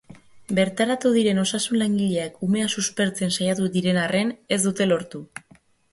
Bertaratu diren osasun langileak umea suspertzen saiatu diren arren, ez dute lortu.